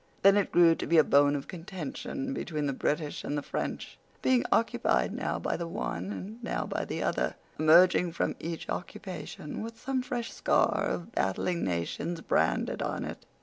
Then it grew to be a bone of contention between the British and the French, being occupied now by the one and now by the other, emerging from each occupation with some fresh scar of battling nations branded on it.